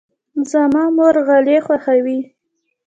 زما مور غالۍ خوښوي.